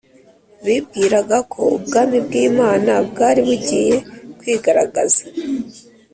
bibwiraga ko ubwami bw Imana bwari bugiye kwigaragaza